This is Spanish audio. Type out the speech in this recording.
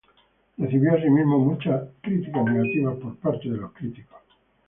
Recibió asimismo muchas críticas negativas por parte de los críticos.